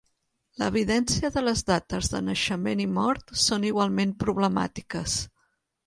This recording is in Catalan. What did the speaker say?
L'evidència de les dates de naixement i mort són igualment problemàtiques.